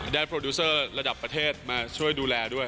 โปรดิวเซอร์ระดับประเทศมาช่วยดูแลด้วย